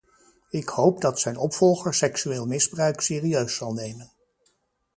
Ik hoop dat zijn opvolger seksueel misbruik serieus zal nemen.